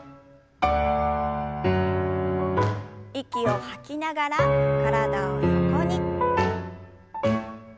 息を吐きながら体を横に。